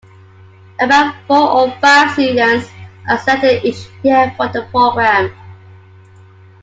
About four or five students are selected each year for the program.